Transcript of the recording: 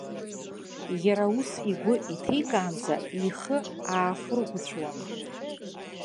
Иара ус игәы иҭеикаанӡа, ихы аахырӷәыцәуан!